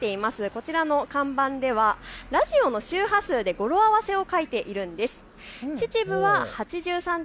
こちらの看板ではラジオの周波数で語呂合わせを書いているんです。